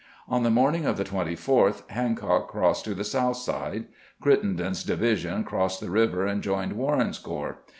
On the morning of the 24th Hancock crossed to the south side. Crittenden's division crossed the river and joined Warren's corps.